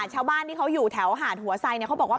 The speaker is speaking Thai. เส้นเช้าบ้านที่เค้าอยู่แถวหาดหัวไทก์เค้าบอกว่า